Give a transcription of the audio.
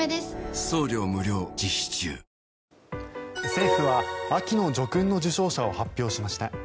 政府は秋の叙勲の受章者を発表しました。